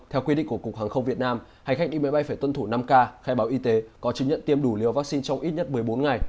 theo quy định của cục hàng không việt nam hành khách đi máy bay phải tuân thủ năm k khai báo y tế có chứng nhận tiêm đủ liều vaccine trong ít nhất một mươi bốn ngày